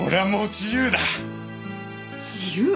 自由？